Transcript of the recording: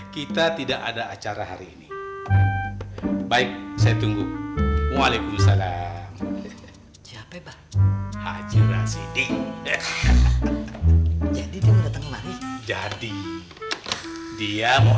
kita tidak ada acara hari ini baik saya tunggu walaikum salam jawab haji rasyidi jadi dia mau